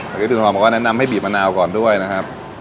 อันนี้ถึงทองบอกว่าแนะนำให้บีบมะนาวก่อนด้วยนะครับ